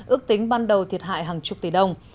ước tính ban đầu thiệt hại hàng chục tỷ đồng